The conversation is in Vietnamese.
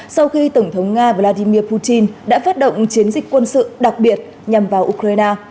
sau khi tổng thống nga vladimir putin đã phát động chiến dịch quân sự đặc biệt nhằm vào ukraine